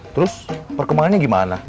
terus perkembangannya gimana